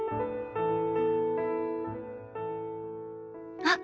あっ！